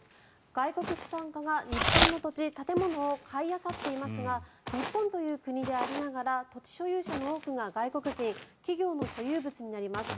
外国資産家が日本の土地、建物を買いあさっていますが日本という国でありながら土地所有者の多くが外国人企業の所有物になります。